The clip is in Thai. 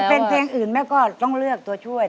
เป็นเพลงอื่นแม่ก็ต้องเลือกตัวช่วย